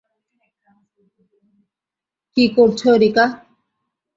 কী করছো, রিকা?